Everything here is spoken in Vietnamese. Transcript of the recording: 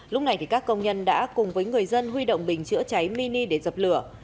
lúc này các công nhân đã cùng với người dân huy động bình chữa cháy mini để dập lửa